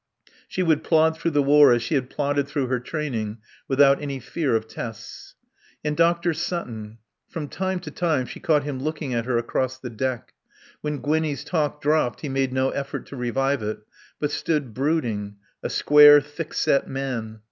She would plod through the war as she had plodded through her training, without any fear of tests. And Dr. Sutton. From time to time she caught him looking at her across the deck. When Gwinnie's talk dropped he made no effort to revive it, but stood brooding; a square, thick set man.